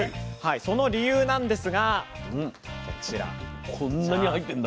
その理由なんですがこちらジャン。